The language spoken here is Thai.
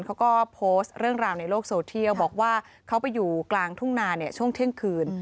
เขาก็โพสต์เรื่องราวในโลกโซเทียลบอกว่าเขาไปอยู่กลางทุ่งนาเนี่ยช่วงเที่ยงคืน